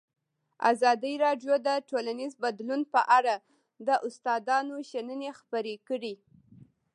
ازادي راډیو د ټولنیز بدلون په اړه د استادانو شننې خپرې کړي.